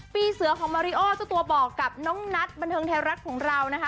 ปีเสือของมาริโอเจ้าตัวบอกกับน้องนัทบันเทิงไทยรัฐของเรานะคะ